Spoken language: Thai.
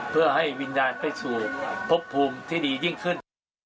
เพื่อให้วิญญาณไปสู่พบภูมิที่ดียิ่งขึ้น